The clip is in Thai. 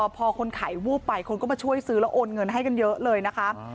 พอคนขายวูบไปคนก็มาช่วยซื้อแล้วโอนเงินให้กันเยอะเลยนะคะ